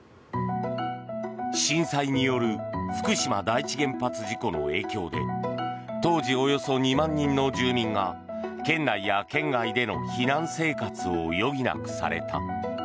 震災による福島第一原発事故の影響で当時およそ２万人の住民が県内や県外での避難生活を余儀なくされた。